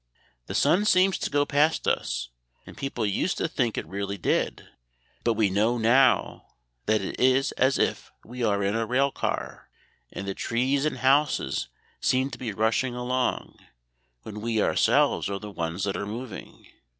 "The sun seems to go past us, and people used to think it really did. But we know now that it is as if we were in a rail car, and the trees and houses seemed to be rushing along, when we ourselves are the ones that are moving.